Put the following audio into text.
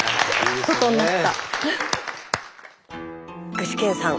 具志堅さん